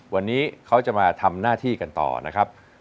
วันนี้เขาจะมาทำหน้าที่กันต่อนะครับ